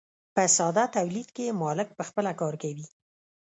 په ساده تولید کې مالک پخپله کار کوي.